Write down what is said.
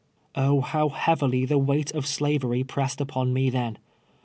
Oh ! how heavily the weight of slavery pressed upon me then.